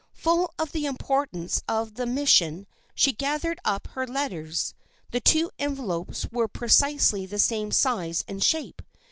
Full of the importance of the mission she gathered up her letters. The two envelopes were precisely the same size and shape.